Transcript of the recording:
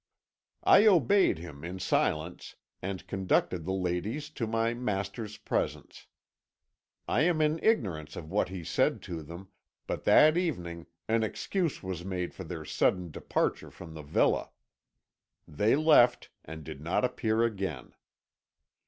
"I obeyed him in silence, and conducted the ladies to my master's presence. I am in ignorance of what he said to them, but that evening an excuse was made for their sudden departure from the villa. They left, and did not appear again.